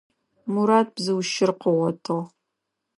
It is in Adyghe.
Мурат бзыу щыр къыгъотыгъ.